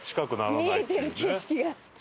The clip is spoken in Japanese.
見えてる景色が。